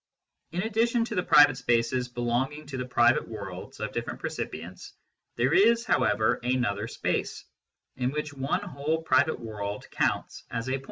In addition to the private spaces belonging to the private worlds of different percipients, there is, however, another space, in which one whole private world counts as a.